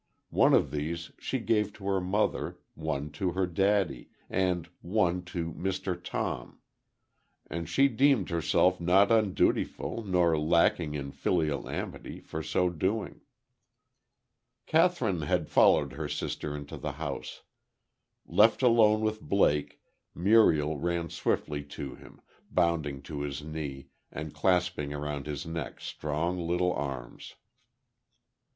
One of these she gave to her mother; one to her daddy; and one to "Mr. Tom." And she deemed herself not undutiful, nor lacking in filial amity, for so doing. Kathryn had followed her sister into the house. Left alone with Blake, Muriel ran swiftly to him, bounding to his knee, and clasping around his neck strong little arms.